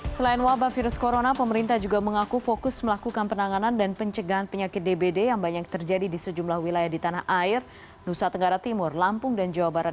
selain wabah virus corona pemerintah juga mengaku fokus melakukan penanganan dan pencegahan penyakit dbd yang banyak terjadi di sejumlah wilayah di tanah air nusa tenggara timur lampung dan jawa barat